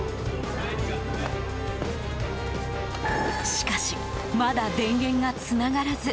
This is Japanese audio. しかし、まだ電源がつながらず。